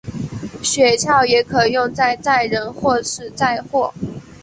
雪橇也可用在载人或是载货。